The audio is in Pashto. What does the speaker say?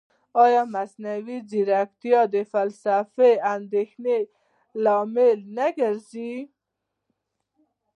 ایا مصنوعي ځیرکتیا د فلسفي اندېښنو لامل نه ګرځي؟